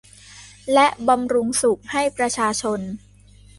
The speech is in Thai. และบำรุงสุขให้ประชาชน